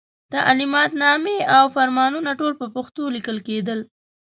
تعلماتنامې او فرمانونه ټول په پښتو لیکل کېدل.